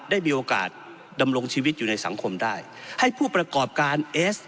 ได้มีโอกาสดำรงชีวิตอยู่ในสังคมได้ให้ผู้ประกอบการเอส